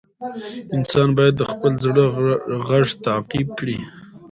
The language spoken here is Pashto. انسان باید د خپل زړه غږ تعقیب کړي.